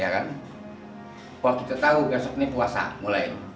kalau kita tahu besok ini puasa mulai